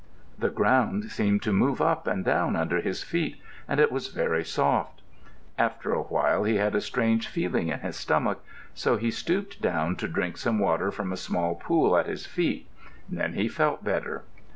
The ground seemed to move up and down under his feet, and it was very soft. After a while he had a strange feeling in his stomach, so he stooped down to drink some water from a small pool at his feet. Then he felt better.